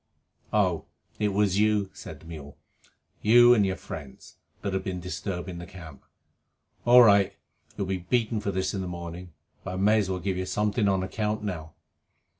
"Oh, it was you," said the mule, "you and your friends, that have been disturbing the camp? All right. You'll be beaten for this in the morning. But I may as well give you something on account now."